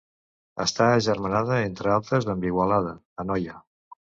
Està agermanada entre altres amb Igualada, Anoia.